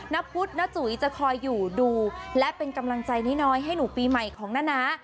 นพุธนจุ๋ยจะคอยอยู่ดูและเป็นกำลังใจน้อยให้หนูปีใหม่ของน้านะ